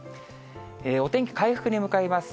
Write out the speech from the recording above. お天気回復に向かいます。